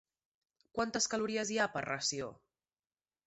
Quantes calories hi ha per ració?